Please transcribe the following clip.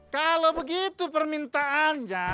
kalau begitu permintaannya